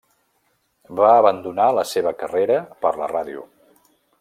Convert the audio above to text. Va abandonar la seva carrera per la ràdio.